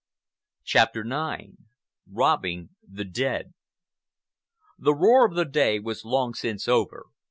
CHAPTER IX ROBBING THE DEAD The roar of the day was long since over.